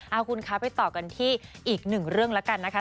เอาคุณคะไปต่อกันที่อีกหนึ่งเรื่องแล้วกันนะคะ